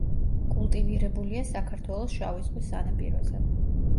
კულტივირებულია საქართველოს შავი ზღვის სანაპიროზე.